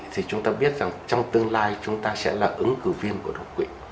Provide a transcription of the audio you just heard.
thì chúng ta biết rằng trong tương lai chúng ta sẽ là ứng cử viên của đột quỵ